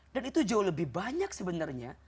dan itu jauh lebih banyak sebenarnya